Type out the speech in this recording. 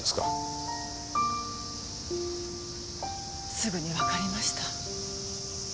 すぐにわかりました。